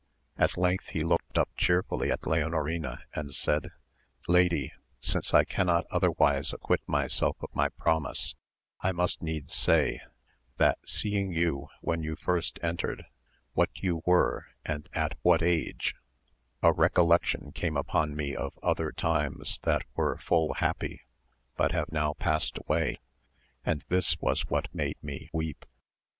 At length he looked up chearfully at Leonorina and said, Lady, since I cannot otherwise acquit myself of my promise I must needs say, that seeing you when you first entered, what you were and at what age, a recollection came upon me of other times that were full happy, but have now past away, and this was what made me AMADIS OF GAUL. 297 weep.